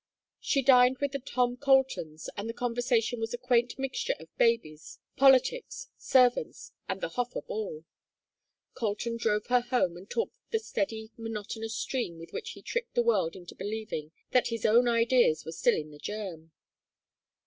She dined with the Tom Coltons, and the conversation was a quaint mixture of babies, politics, servants, and the Hofer ball. Colton drove her home, and talked the steady monotonous stream with which he tricked the world into believing that his own ideas were still in the germ.